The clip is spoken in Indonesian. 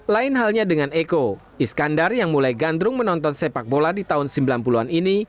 lain halnya dengan eko iskandar yang mulai gandrung menonton sepak bola di tahun sembilan puluh an ini